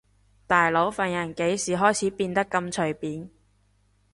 大佬份人幾時開始變得咁隨便